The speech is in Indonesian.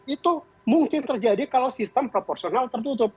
itu mungkin terjadi kalau sistem proporsional tertutup